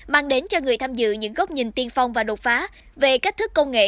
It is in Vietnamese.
mang đến cho người tham dự những góc nhìn tiên phong và đột phá về cách thức công nghệ